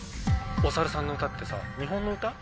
お猿さんの歌ってさ日本の歌？